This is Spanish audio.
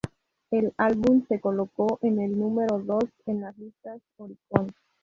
El álbum se colocó en el número dos en las listas Oricon.